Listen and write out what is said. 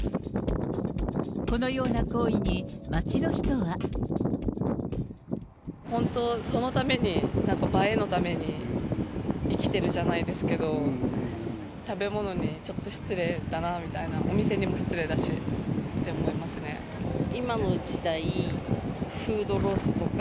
このような行為に、本当、そのために、なんか映えのために、生きてるじゃないですけど、食べ物にちょっと失礼だなみたいな、今の時代、フードロスとか、